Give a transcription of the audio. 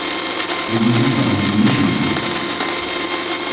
¡Purututa murumushun!